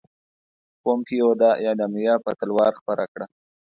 پومپیو دا اعلامیه په تلوار خپره کړه.